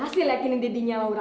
berhasil yakinin dedinya laura